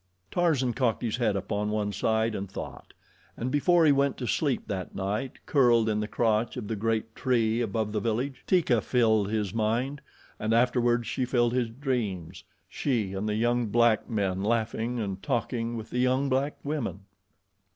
Tarzan cocked his head upon one side and thought, and before he went to sleep that night, curled in the crotch of the great tree above the village, Teeka filled his mind, and afterward she filled his dreams she and the young black men laughing and talking with the young black women.